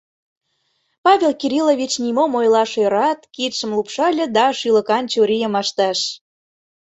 Павел Кириллович нимом ойлаш ӧрат, кидшым лупшале да шӱлыкан чурийым ыштыш.